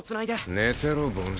寝てろ凡人。